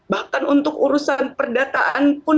bahkan untuk urusan perdataan pun